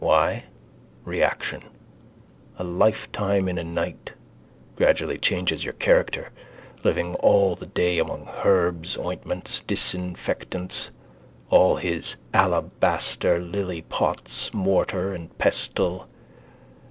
Why? Reaction. A lifetime in a night. Gradually changes your character. Living all the day among herbs, ointments, disinfectants. All his alabaster lilypots. Mortar and pestle.